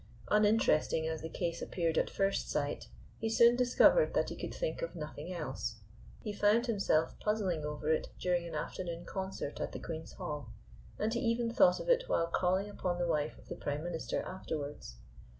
Uninteresting as the case appeared at first sight, he soon discovered that he could think of nothing else. He found himself puzzling over it during an afternoon concert at the Queen's Hall, and he even thought of it while calling upon the wife of the Prime Minister afterwards.